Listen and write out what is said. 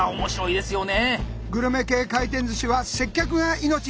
グルメ系回転寿司は「接客」が命！